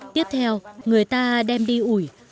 tiếp theo người ta đem đi ủi